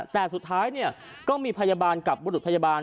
แต่สุดท้ายก็มีพยาบาลกับบุรุษพยาบาล